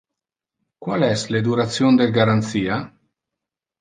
Qual es le duration del garantia?